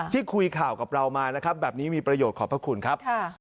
ที่คุยข่าวกับเรามานะครับแบบนี้มีประโยชน์ขอบพระคุณครับ